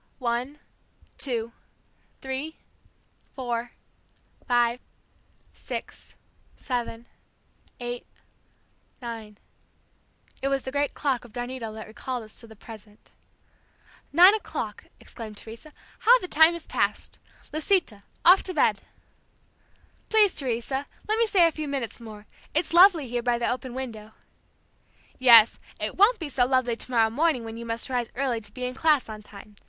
One, two, three, four, five, six, seven, eight, nine ... it was the great clock of Darnetal that recalled us to the present. "Nine o'clock!" exclaimed Teresa, "how the time has passed! Lisita! Off to bed!" "Please, Teresa, let me stay a few minutes more; it's lovely here by the open window." "Yes, it won't be so lovely tomorrow morning when you must rise early to be in class on time.